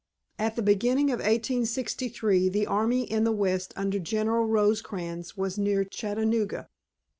At the beginning of 1863 the army in the West under General Rosecrans was near Chattanooga.